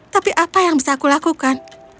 tapi apa yang bisa aku lakukan